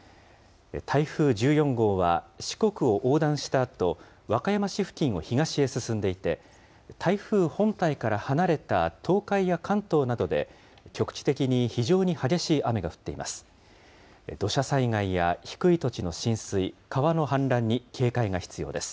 台風１４号は四国を横断したあと、和歌山市付近を東へ進んでいて、台風本体から離れた東海や関東などで、局地的に非常に激しい雨が降っています。